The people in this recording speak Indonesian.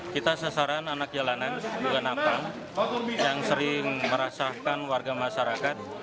kita sasaran anak jalanan dan anak pang yang sering merasakan warga masyarakat